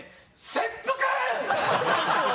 切腹！